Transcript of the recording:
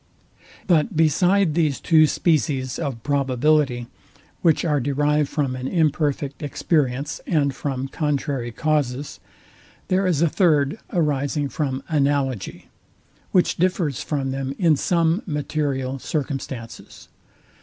But beside these two species of probability, which are derived from an imperfect experience and from contrary causes, there is a third arising from ANALOGY, which differs from them in some material circumstances.